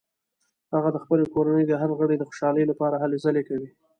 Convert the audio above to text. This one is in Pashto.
هغه د خپلې کورنۍ د هر غړي د خوشحالۍ لپاره هلې ځلې کوي